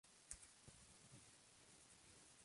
Los disparos tuvieron lugar en tres incidentes separados.